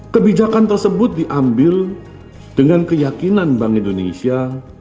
kebijakan tersebut diambil dengan keyakinan bank indonesia